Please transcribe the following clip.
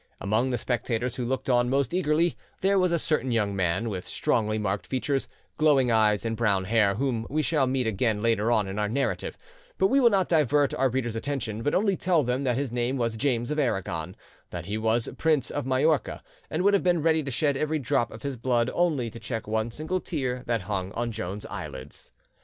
Among the spectators who looked on most eagerly there was a certain young man with strongly marked features, glowing eyes, and brown hair, whom we shall meet again later on in our narrative; but we will not divert our readers' attention, but only tell them that his name was James of Aragon, that he was Prince of Majorca, and would have been ready to shed every drop of his blood only to check one single tear that hung on Joan's eyelids.